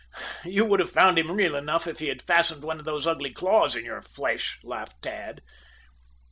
"You would have found him real enough if he had fastened one of those ugly claws in your flesh," laughed Tad.